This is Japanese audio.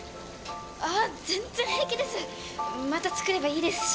あっ全然平気ですまた作ればいいですし。